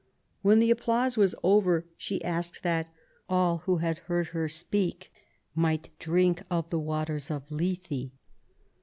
When the applause was over she asked that " all who had heard her speak might drink of the waters of Lethe ".